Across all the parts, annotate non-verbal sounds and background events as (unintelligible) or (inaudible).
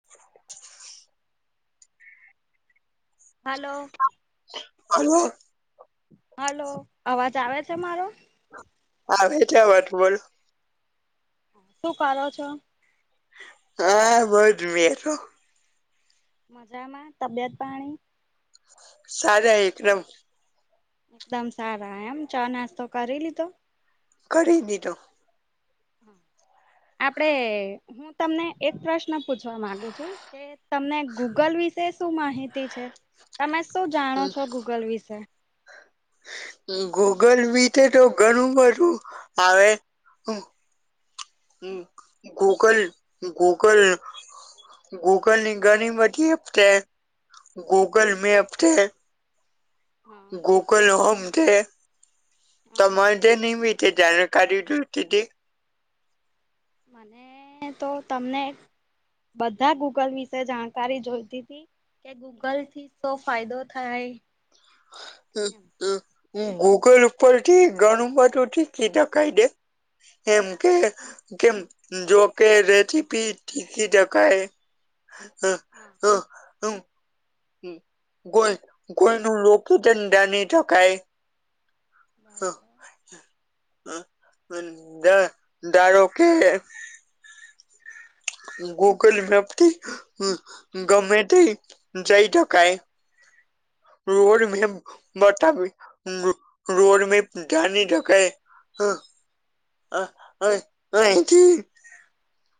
(inaudible) હાલો! હા hello! Hello! અવાજ આવે છે મારો? આવે છે (unintelligible) શું કારો છો? હા (unintelligible) મજામાં? તબિયત પાણી? સારા એકદમ એકદમ સારા એમ. ચા નાસ્તો કરી લીધો? કરી દીધો. હમ્મ. આપડે હું તમને એક પ્રશ્ન પૂછવા માંગુ છું કે તમને ગૂગલ વિ શે તે શું માહિતી છે? તમે શું જાણો છો ગૂગલ વિશે? ગૂગલ વિશે તો ઘણું બધું આવે (inaudible) હમ્મ, ગૂગલ ગૂગલ ગૂગલ ની ઘણી બધી અપડેટ ગૂગલ મે અપડેટ હા ગૂગલ હોમ છે હા તમારે જે નિમીત જાણકારી જોઈતીતી. મને તો તમને બધા ગૂગલ વિશે જાણકારી જોઈતીતી. કે ગૂગલ થી શો ફાયદો થાય? એમ (unintelligible) હમ્મ, ગૂગલ ઉપરથી ઘણું બધું શીખવી શકાય છે એમ કે કેમ જો કે રેસીપી ટીકી ટકાય અ હા અહ અમ હમ્મ, ગોલ ગોલનું (unintelligible) સ્કાય અ બરાબર અ અન ધ ધારો કે ગૂગલ મેપથી ગમે તે જઈ ટકાય રોડ મે બતાવી મ રોડ મેપ જાણી શકાય. અ અ એથી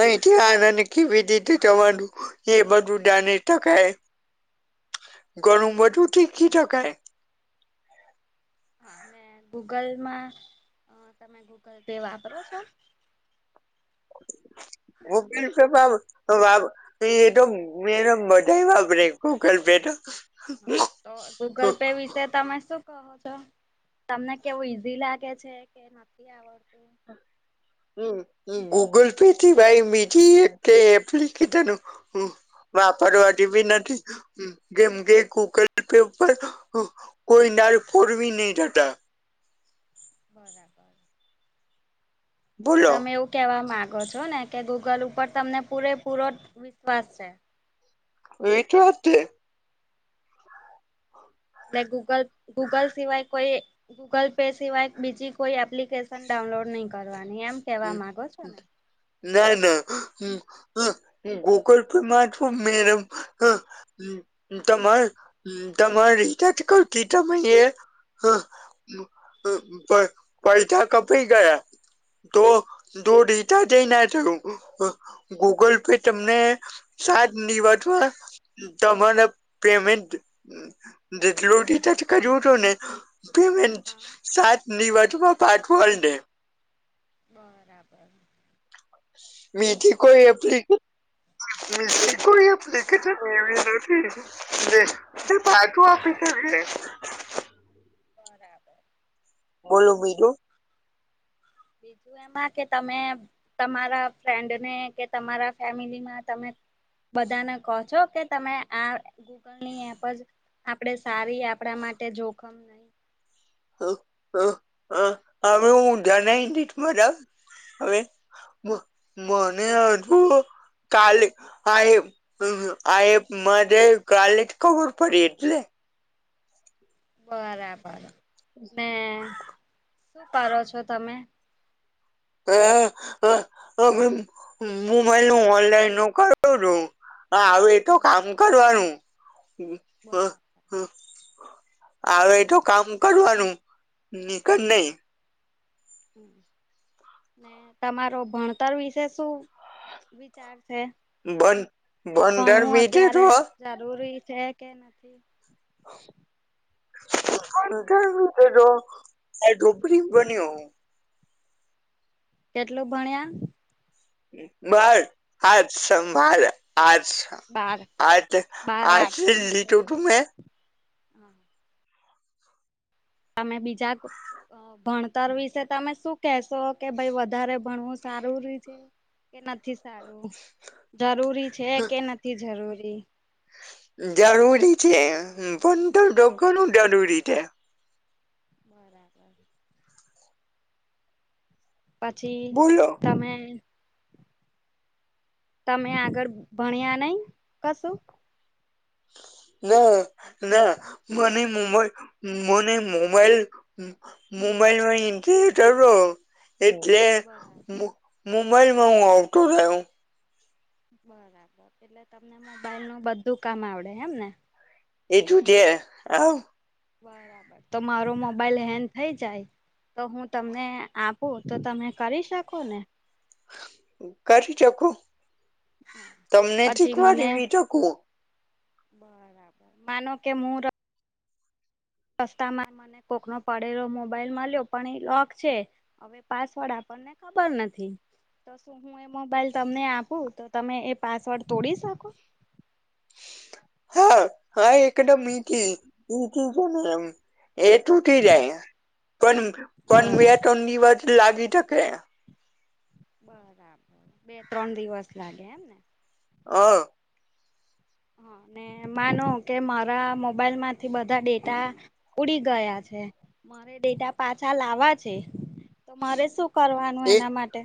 અહીથી આને કીવી રીતે થી જવાનું એ બધું જાની ટકાય. ઘણુબધું ટીકી ટકાય. હા, મે ગૂગલમાં અ તમે ગૂગલ પે વાપરો છો? (inaudible) ગૂગલ પે બવ વાવ એ તો મેડમ બધાએ વાપરે ગૂગલ પે તો હા, તો ગૂગલ પે વિશે તમે શું? છો. તમને કેવું ઈઝી લાગે છે. કે, નથી આવડતું? હમ, ગૂગલ પે થી ભાઈ બીજી એક એપ્લિકેશન હ વાપરવાડી બી નથી. ગેમ કે ગૂગલ પેપર કોઈ નાર ફોરવી નહી થતાં. બરાબર. એટલે બોલો તમે એવું કેવા માંગો છો ને કે, ગૂગલ ઉપર તમને પૂરેપૂરો વિશ્વાસ છે. વીટવાદ દે. ગૂગલ. ગૂગલ સિવાય કોઈ ગૂગલ પે સિવાય બીજી કોઈ એપ્લિકેશન ડાઉનલોડ નહી કરવાની. એમ કહેવા માંગો છો ને? ના ના હ. હમ ગૂગલ પે મા મેમ હ તમાર તમારી રીતે કતી ત હ- પ પૈસા કપાય ગયા. તો દો દિજા જઈના તો ગૂગલ પે તમને સાત નિવાતવા. તમાને પેમેન્ટ (unintelligible) હા સાત નિની વટમાં પાઠવળને બરાબર. મીથી કોઈ એપને (unintelligible) તે, તે પાકું આપે તો લઈ. બરાબર. બોલો બીજું બીજું એમાં કે તમે તમારા ફ્રેન્ડને કે તમારા ફેમિલીમાં તમે બધાને કહો છો કે, તમે આ ગૂગલની એપ જ આપણેે સારી આપણા માટે જોખમ નહી. હ હ હ. હમે હું જણ નરા હવે. મને (unintelligible) કાલે આ હ, આ એ મધે કાલે જ ખબર પડી એટલે. બરાબર. ને શું કરો છો તમે? હ, હવે મોબાઈલનું ઓનલાઈન હુ કરુ. હા, આવે તો કામ કરવાનું. બરાબર. હ, આવે એ તો કામ કરવાનું, નીક નહી. હ, ને તમારો ભણતર વિશે શું? વિચાર છે. બન કે, બંદર ભણવું મીધે તો અત્યારે જરૂરી છે કે નથી. આ ઢોપળ બન્યો. કેટલું ભણ્યા? બાહાર આજ સંભાળ. આર્ટસ. બાર બાર આર્ટસ લીધું ઓકે તુંમે? હા તમે બીજા ભણતર વિશે તમે શું? કેશો કે ભાઈ વધારે ભણવું સારું ર છે કે નથી સારું જરૂરી છે કે નથી જરૂરી જરૂરી છે પણ તો ડોગણું જરૂરી છે. બરાબર. પછી બોલો તમે તમે આગળ ભણ્યા નહી કશું. ના ના મને મોબાઈ મને મોબાઈલ મોબાઈલમાં (unintelligible) એટલે બરાબર મુંબઈમાં હું આવતો રહયો બરાબર એટલે તમને મોબાઈલ નું બધું કામ આવડે એમને (unintelligible) બરાબર તો મારો મોબાઈલ હેંગ થઇ જાય તો હું તમને આપું તો તમે કરી શકો ને કરી શકુ તમને પછી શીખવા મને દવી બી શકું બરાબર માનો કે મુર રસ્તામાં મને કોકનો પડેલો મોબાઈલ મળ્યો પણ એ લોક છે અવે પાસવર્ડ આપણને ખબર નથી. તો શું હું એ મોબાઈલ તમને આપું તો તમે એ પાસવર્ડ તોડી શકો? હા હા એકડમ ઈઝી (unintelligible) એ તૂટી જાય પણ પણ બે બરા ટોન દિવસ લાગી તકે બરાબર બે ત્રણ દિવસ લાગે એમને હ હા ને માનૉ કે મારા મોબાઈલ માંથી બધા ડેટા ઉડી ગયા છે મારે ડેટા પાછા લાવવા છે તો મારે શું કરવાનું એ એના માટે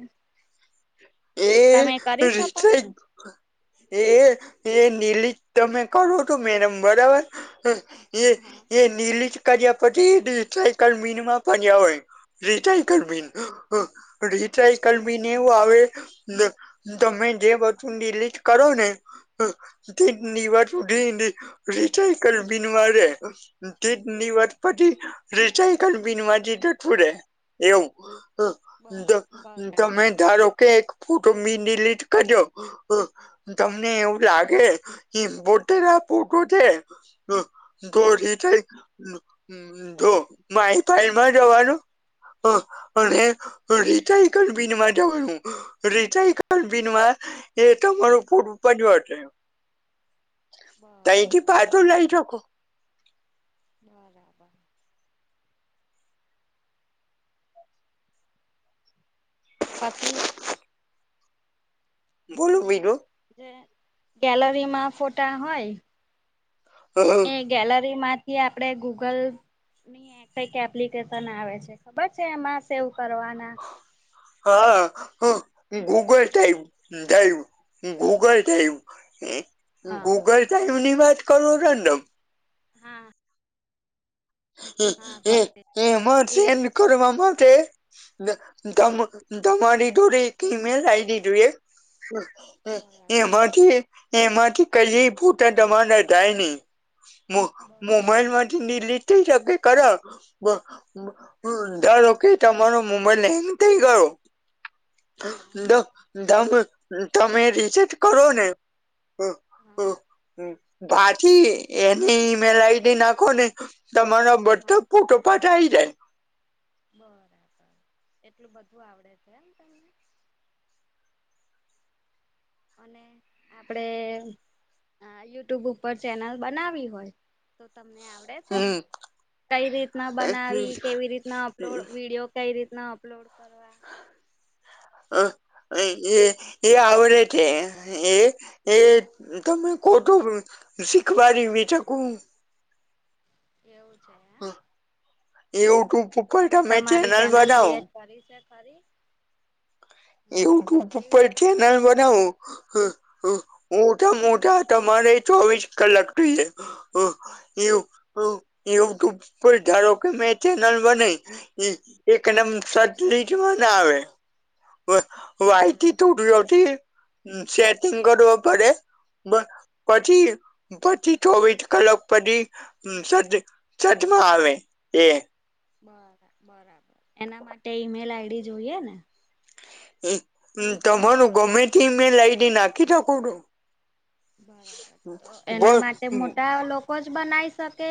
એ તમે કરી શકો? (unintelligible) એ (unintelligible) તમે કરો તો મેડેમ બરાબર એ હા એ નીલી જ કર્યા પછી એ સાયક મિનમાં (unintelligible) હોય રિસાયકલબીન રિસાયકલબિન એવું આવે તમે જે વસ્તુ ડિલીટ કરો ને તે હા (unintelligible) રિસાઇકલ બિનવારે ની (unintelligible) પછી રિસાયકલબીનમાં જતું રે એવું બર તમે બરાબર ધારો કે એક ફોટો બી ડિલીટ કરજો તમને હમ એવું લાગે (unintelligible) ના ફોટો છે હમ (unintelligible) વાઈ ફાઇ માં જવાનું હ અને રિસાયકલબિન માં જવાનું રીસાયકલબીનમાં એ તમારું પૂર (unintelligible) તઈથી બરાબર પાછું લઈ શકુ બરાબર. પછી બોલો અને બીજું જે ગેલરીમાં ફોટા હોય હ એ ગેલરીમાંથી આપણેે ગૂગલ ની કઈક એપ્લિકેશન આવે છે ખબર છે એમાં સેવ કરવાના હા હ ગૂગલ ટાઈપ ટાઈવ ગૂગલ હા ગૂગલ ટાઈવ ની વાત કરું (unintelligible) હા એ હા એ એમાં એ સેન્ડ કરવા માટે (unintelligible) ઈમેલ આઇડી જોઈએ બરાબર એમાંથી એમાંથી કઈ ફોટા તમારા જાય ની બરાબર મોબાઈલ માંથી ડિલીટ થઈ (unintelligible) ધારોકે તમારો મુંબાઈલ હેગ થઇ ગયો. હા દ દમ તમે રિસેટ કરો ને હા હ પાછી એની ઈમેલ આઈડી નાખો ને તમારા બધા તો હા ફોટો પાાછા આવી જાય. બરાબર એટલું બધું આવડે છે એમ તમને. અને આપડે હા યુટ્યુબ ઉપર ચેનલ બનાવી હોય તો તમને આવ આવડે છે હમ કઈ રીતના બનાવી કેવી રીતના અપલોડ વિડીયો કઈ રીતના અપલોડ કરવા. હ એ એ આવડે છે એ એ તમે ખોટું શીખવા દવી એવી શકું. એવું છે. એમ યુટ્યુબ ઉપર તમે ચેનલ બનાવો સારી છે સારી. યુટ્યુબ કેવી પર રીતે ચેનલ બનાવું બનાવાની આ આ મોટા મોટા હા તમારે ચોવીસ કલાક થઈ જાય. આ યુ યુ યુટ્યુબ પર ધારો કે મેં ચેનલ બનાઈ એ એકદમ હા (unintelligible) માં ના આવે. વા વાઈટી બરાબર સ્ટુડિયો થી સેટીંગ કરવા પડે. બ પછી પછી ચોવીસ કલાક પછી સાજ સજમાં આવે એ. બરા બરાબર એના માટે ઇ-મેલ આઈ ડી જોઈએ ને. કે ના તમારું જોઈએ ગમે તે ઇ-મેલ આઇ ડી નાખી શકો છો. બરાબર તો એના બસ માટે મોટા લોક કો જ બનાવી શકે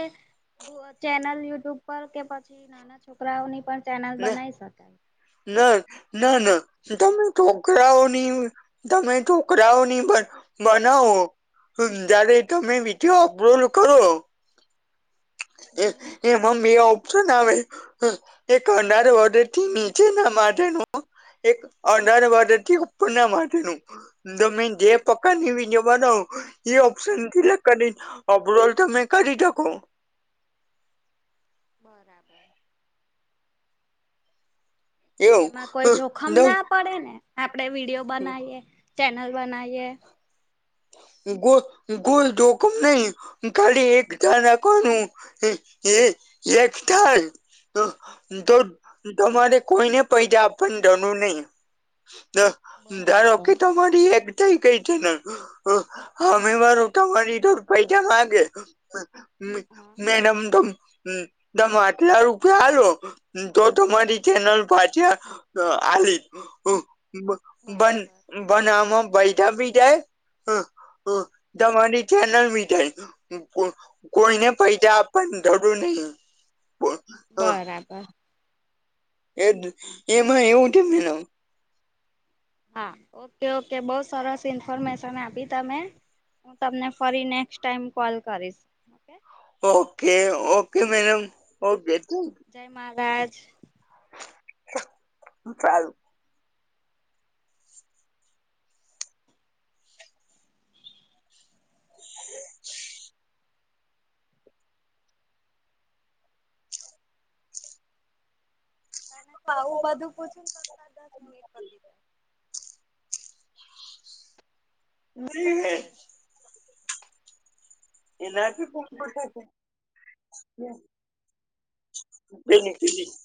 ચેનલ યુટ્યુબ પર કે પછી નાના છોકરાઓની પણ ચેનલ બનાઈ શકાય. ના ના ના શું તમે છોકરાઓની તમે છોકરાઓ ની બ બનાવો હ જ્યારે તમે વિડીયો અપલોડ કરો એ હમ એ મમ્મીઓ શું ના (unintelligible) એ એક અડાર ઓર્ડર થી નીચે ના માટેનું એક (unintelligible) માટે થી ઉપરના માટેનું તમે જે પ્રકારની વિડિયો બનાવો એ ઓપ્શન સિલેક્ટ કરી ઓબરલ તમે કરી શકો. બરાબર. એવું એમાં કોઈ જોખમ ના પડે ને આપડે વિડીયો બનાવીએ ચેનલ બનાવીએ. ગો ગોલ જોખમ નહી કાલી એકતા રાખવાનું. યે યે એકટાય ર તો તમારે કોઈને પૈસા આપવાની જરૂર નહીં. ધ બરાબર ધારોકે તો અમારી એકઠ કઈ (unintelligible) ન હામે હા વાળો તમારી તો પૈજ માંગે મે હા મે મેડમ તમ હમ તમ આટલા રૂપિયા હાલો તો તમારી હમ ચેનલ પાછા આલી આ બન બન બરાબર બનામાં (unintelligible) આપી દય (inaudible) તમારી ચેનલ ભી જાય (unintelligible) કોઈને પૈજ આપવાના જરૂર નહીં. બરાબર. એજ એમાં ઓકે એવું (unintelligible) હા ઓકે ઓકે બો સરસ ઇન્ફોર્મેશન આપી તમે. હું તમને ફરી નેક્સ્ટ ટાઈમ કોલ કરીશ. Okay. Okay okay madam okay ચ જય મહારાજ. ચાલ (inaudible) (inaudible) (inaudible) (unintelligible) આવું બધું પૂછું કરતા દસ મિનિટ પતી જાય. (inaudible) જાય (inaudible) એલાથી પપ (inaudible)